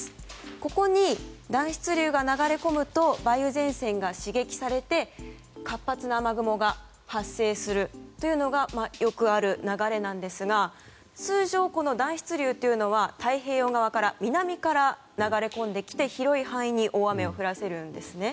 ここに暖湿流が流れ込むと梅雨前線が刺激されて活発な雨雲が発生するというのがよくある流れなんですが通常、暖湿流というのは太平洋側、南側から流れ込んできて、広い範囲に大雨を降らせるんですね。